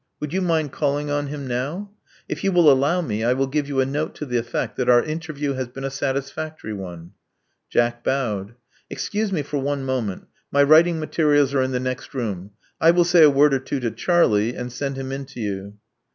Would you mind calling on him now? If you will allow me, I will give you a note to the effect that our interview has been a satisfactory one." Jack bowed. "Excuse me iot one moment. My writing materials are in the next room. I will say a word or two to Charlie, and send him in to you."